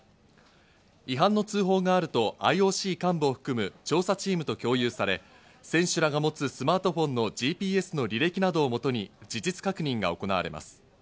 違反の通報があるとＩＯＣ幹部を含む調査チームと共有され、選手らが持つスマートフォンのＧＰＳの履歴などをもとに、事実確認が行われます。